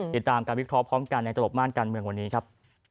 ติดตามการวิเคราะห์พร้อมกันในตลบม่านการเมืองวันนี้ครับ